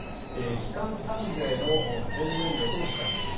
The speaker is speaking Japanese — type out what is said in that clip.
基幹三税の前年度との比較です。